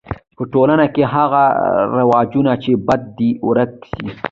په ټولنه کی هغه رواجونه چي بد دي ورک سي.